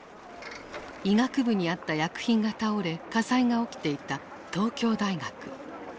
医学部にあった薬品が倒れ火災が起きていた東京大学。